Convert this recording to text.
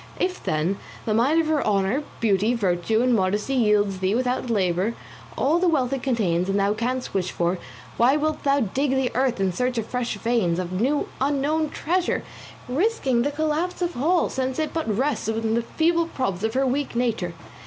If, then, the mine of her honour, beauty, virtue, and modesty yields thee without labour all the wealth it contains and thou canst wish for, why wilt thou dig the earth in search of fresh veins, of new unknown treasure, risking the collapse of all, since it but rests on the feeble props of her weak nature?